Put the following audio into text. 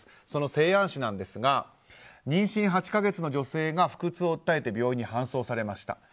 その西安市ですが妊娠８か月の女性が腹痛を訴えて病院に搬送されました。